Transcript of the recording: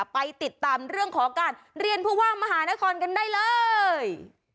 ไปติดตามเรื่องของการเรียนผู้ว่ามหานครกันได้เลย